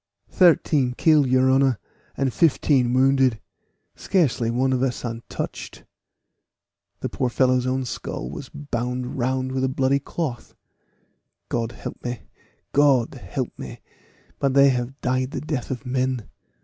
"Thirteen killed, your honor, and fifteen wounded; scarcely one of us untouched." The poor fellow's own skull was bound round with a bloody cloth. "God help me! Gold help me! but they have died the death of men.